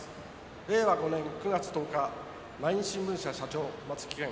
令和５年９月１０日毎日新聞社社長松木健